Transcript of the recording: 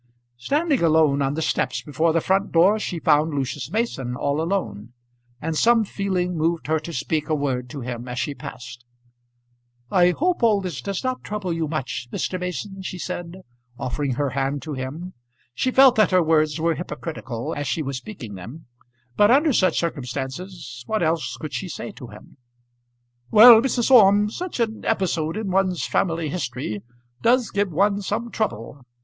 Standing alone on the steps before the front door she found Lucius Mason all alone, and some feeling moved her to speak a word to him as she passed. "I hope all this does not trouble you much, Mr. Mason," she said, offering her hand to him. She felt that her words were hypocritical as she was speaking them; but under such circumstances what else could she say to him? "Well, Mrs. Orme, such an episode in one's family history does give one some trouble.